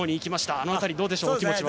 あの辺り、どうでしょう気持ちは。